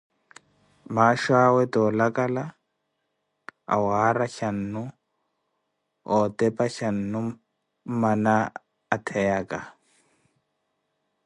Maaxho awe toolakala, awaarya caanu, otepa caanu mmana atheyaka.